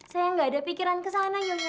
saya nggak ada pikiran kesana nyonya